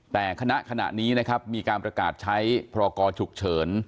แต่คณะขณะนี้นะครับมีการประกาศใช้พรกรฉุกเฉิน